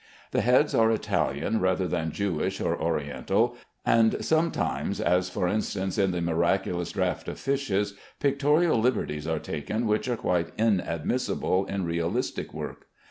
The heads are Italian rather than Jewish or Oriental, and sometimes (as, for instance, in the "Miraculous Draught of Fishes") pictorial liberties are taken which are quite inadmissible in realistic work.